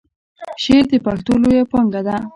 شعر د پښتو لویه پانګه ده.